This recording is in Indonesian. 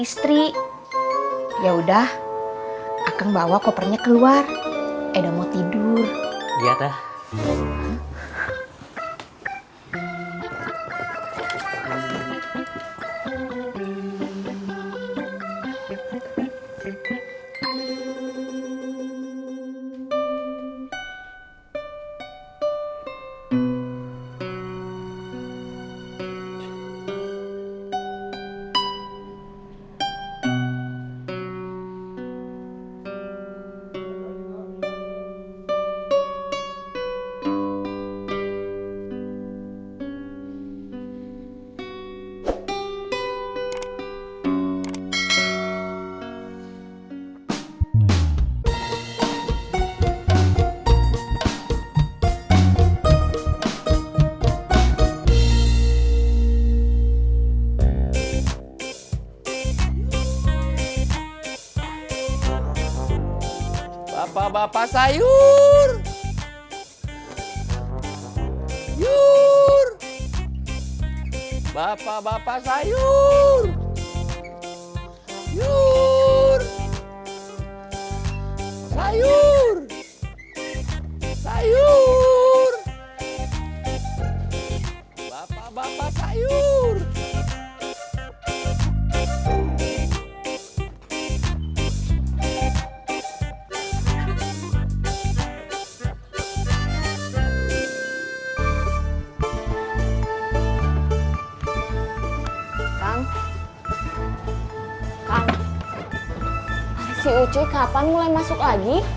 si ucuy kapan mulai masuk lagi